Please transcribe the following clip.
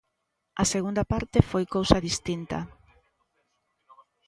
A segunda parte foi cousa distinta.